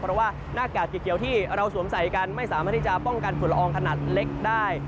เพราะว่าหน้ากากสีเขียวที่เราสวมใส่กันไม่สามารถที่จะป้องกันฝุ่นละอองขนาดเล็กได้